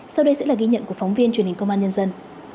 sau đây sẽ là ghi nhận của phóng viên truyền hình công an nhân dân